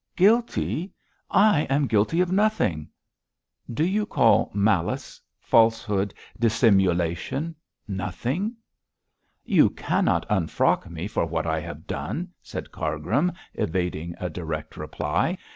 'Guilty? I am guilty of nothing.' 'Do you call malice, falsehood, dissimulation nothing?' 'You cannot unfrock me for what I have done,' said Cargrim, evading a direct reply.